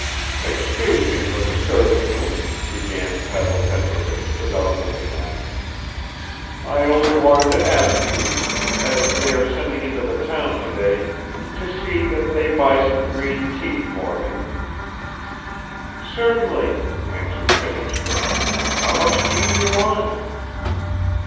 "Excuse me for disturbing you," began Pavel Petrovich without looking at her; "I only wanted to ask you ... as they are sending into the town today ... to see that they buy some green tea for me." "Certainly," answered Fenichka, "how much tea do you want?"